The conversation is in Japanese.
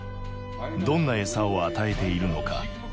どんな餌を与えているのか。